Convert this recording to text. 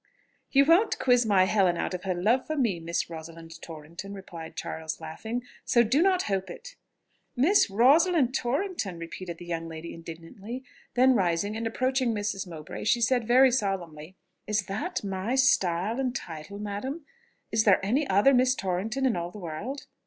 "You won't quiz my Helen out of her love for me, Miss Rosalind Torrington," replied Charles, laughing; "so do not hope it." "Miss Rosalind Torrington!" ... repeated the young lady indignantly. Then rising and approaching Mrs. Mowbray, she said very solemnly, "Is that my style and title, madam? Is there any other Miss Torrington in all the world?...